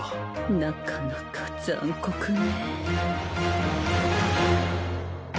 なかなか残酷ねぇ。